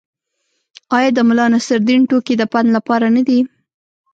آیا د ملانصرالدین ټوکې د پند لپاره نه دي؟